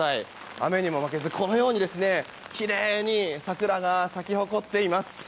雨にも負けずこのようにきれいに桜が咲き誇っています。